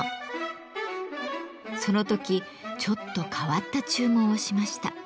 その時ちょっと変わった注文をしました。